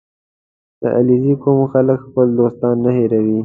• د علیزي قوم خلک خپل دوستان نه هېروي.